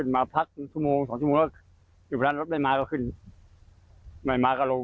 ไม่มากก็ลงไม่มากก็ลงไม่มากก็ลง